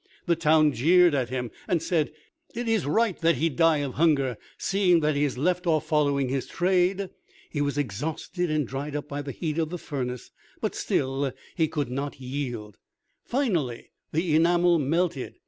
The town jeered at him, and said, "It is right that he die of hunger, seeing that he has left off following his trade." He was exhausted and dried up by the heat of the furnace; but still he could not yield. Finally the enamel melted.